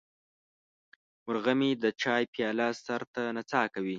مرغه مې د چای پیاله سر ته نڅا کوي.